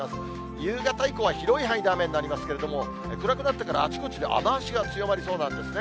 夕方以降は広い範囲で雨になりますけれども、暗くなってからあちこちで雨足が強まりそうなんですね。